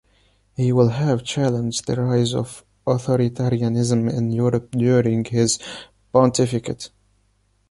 He will have challenged the rise of authoritarianism in Europe during his pontificate.